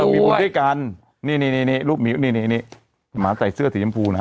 ได้ไปด้วยกันเนี้ยรูปมือเนี้ยหมาใส่เสื้อสีจำพูนะ